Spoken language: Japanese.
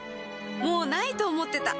もう無いと思ってた